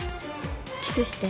キスして。